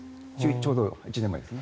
ちょうど１年前ですね。